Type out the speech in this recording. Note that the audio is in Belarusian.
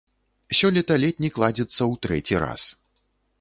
Сёлета летнік ладзіцца ў трэці раз.